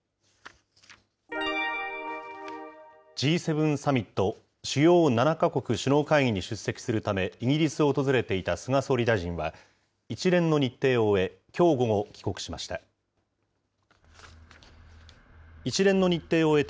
Ｇ７サミット・主要７か国首脳会議に出席するためイギリスを訪れていた菅総理大臣は、一連の日程を終え、きょう午後帰国しました。